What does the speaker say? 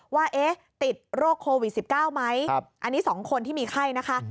ว่าติดโรคโควิด๑๙ไหมอันนี้๒คนที่มีไข้นะคะ